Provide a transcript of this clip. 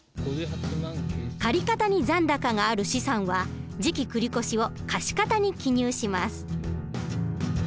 借方に残高がある資産は「次期繰越」を貸方に記入します。